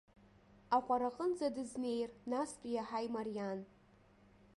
Аҟәараҟынӡа дызнеир, настәи иаҳа имариан.